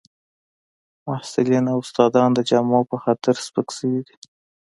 محصلین او استادان د جامو په خاطر سپک شوي دي